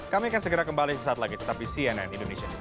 kami akan segera kembali sesaat lagi tetap di cnn indonesia